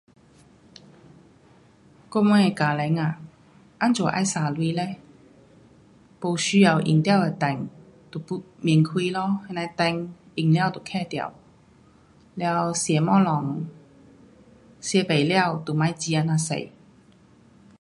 我们家庭为什么要省钱不需要电别开那些电用完关上就吃东西吃不完不要煮那么多